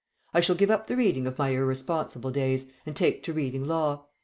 I shall give up the reading of my irresponsible days, and take to reading law.